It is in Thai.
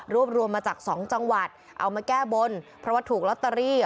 รวมรวมมาจากสองจังหวัดเอามาแก้บนเพราะว่าถูกลอตเตอรี่